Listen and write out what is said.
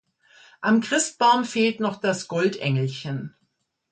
Am Christbaum fehlt noch das Goldengelchen!